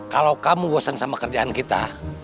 kalau kamu bosen sama kerjaan kita